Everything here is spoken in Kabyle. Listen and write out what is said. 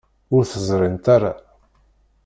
Ur t-ẓrint ara.